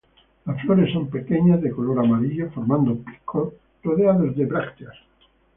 Las flores son pequeñas, de color amarillo, formando picos rodeados de brácteas.